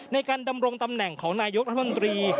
ในการดำรงตำแหน่งของนายกรัฐมนตรี